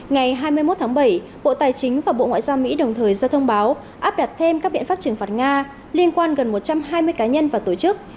ngày hai mươi một tháng bảy bộ tài chính và bộ ngoại giao mỹ đồng thời ra thông báo áp đặt thêm các biện pháp trừng phạt nga liên quan gần một trăm hai mươi cá nhân và tổ chức